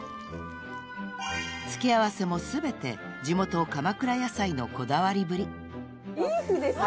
［付け合わせも全て地元鎌倉野菜のこだわりぶり］ビーフですよ。